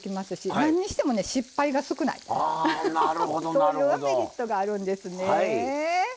そういうメリットがあるんですね。